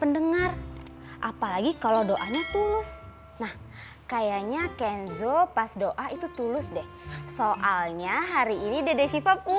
dengarin tante nulis